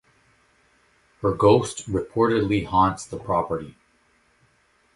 Her ghost reportedly haunts the property.